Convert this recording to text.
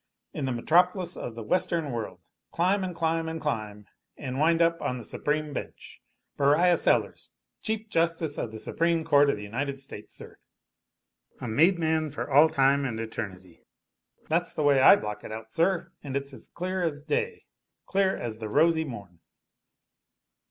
In the metropolis of the western world! Climb, and climb, and climb and wind up on the Supreme bench. Beriah Sellers, Chief Justice of the Supreme Court of the United States, sir! A made man for all time and eternity! That's the way I block it out, sir and it's as clear as day clear as the rosy morn!"